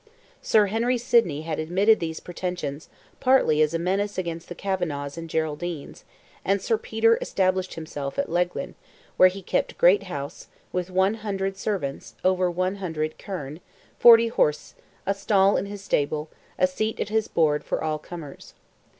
Sir Henry Sidney had admitted these pretensions, partly as a menace against the Kavanaghs and Geraldines, and Sir Peter established himself at Leighlin, where he kept great house, with one hundred servants, over one hundred kerne, forty horse, a stall in his stable, a seat at his board for all comers.